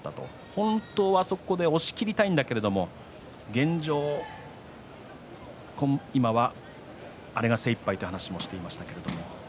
本当はあそこで押しきりたいんだけれども今はあれが精いっぱいという話をしていました。